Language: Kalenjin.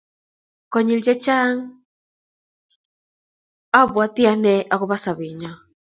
konyil chechang kochan abwati ane agoba sobenyoo